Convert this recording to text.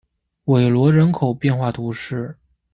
韦罗人口变化图示